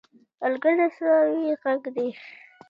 سوالګر د زړه سوې غږ دی